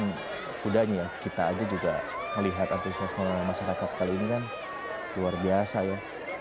kudanya ya kita aja juga melihat antusiasme masyarakat kali ini kan luar biasa ya